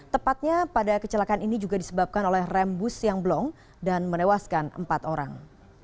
tepatnya pada kecelakaan ini juga disebabkan oleh rem bus yang blong dan menewaskan empat orang